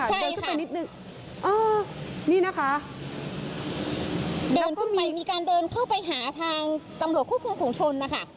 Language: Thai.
เดินขึ้นไปนิดหนึ่งอ้าวนี่นะคะแล้วก็มีการเดินเข้าไปมีการเดินเข้าไปหาทางตำลงคุกภูมิของชนนะคะ